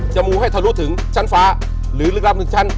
จะหมู่ให้เธอรู้ถึงชั้นฟ้าหรือรึกลับถึงชั้น